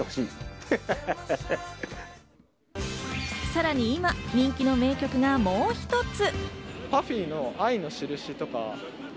さらに、今、人気の名曲がもう一つ。